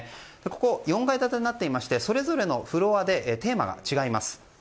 ここは４階建てになっていましてそれぞれのフロアでテーマが違います。